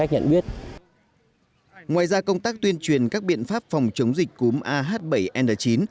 ngoài ra công tác tuyên truyền các biện pháp phòng chống dịch cúm a h bảy n chín